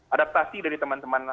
adaptasi dari teman teman